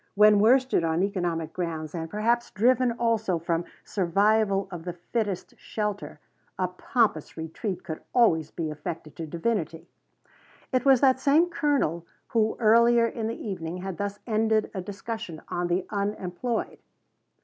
When worsted on economic grounds and perhaps driven also from "survival of the fittest" shelter a pompous retreat could always be effected to divinity. It was that same colonel who, earlier in the evening, had thus ended a discussion on the unemployed.